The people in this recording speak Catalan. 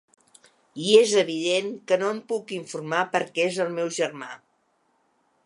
I és evident que no en puc informar perquè és el meu germà.